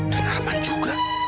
dan arman juga